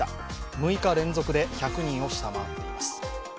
６日連続で１００人を下回っています。